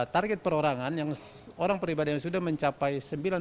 target perorangan yang orang pribadi yang sudah mencapai sembilan puluh